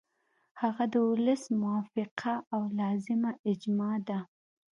هغه د ولس موافقه او لازمه اجماع ده.